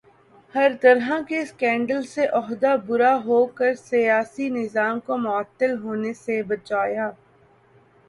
ہر طرح کے سکینڈل سے عہدہ برا ہو کر سیاسی نظام کو معطل ہونے سے بچایا